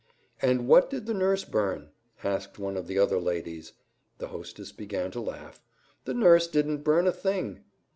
"And what did the nurse burn?" asked one of the other ladies. The hostess began to laugh. "The nurse didn't burn a thing!"